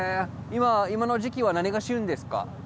今の時期は何が旬ですか？